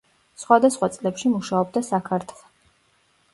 სხვადასხვა წლებში მუშაობდა საქართვ.